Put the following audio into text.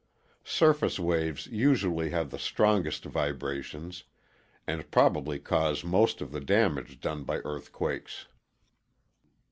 Surface waves usually have the strongest vibrations and probably cause most of the damage done by earthquakes.